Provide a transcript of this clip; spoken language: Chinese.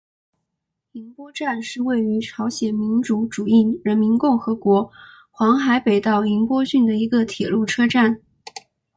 银波站是位于朝鲜民主主义人民共和国黄海北道银波郡的一个铁路车站。